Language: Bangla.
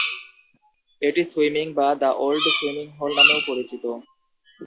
এটি সুইমিং বা দ্য ওল্ড সুইমিং হোল নামেও পরিচিত।